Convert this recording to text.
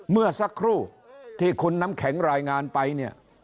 เมื่อสักครู่ที่คุณน้ำแข็งรายงานไปเนี่ย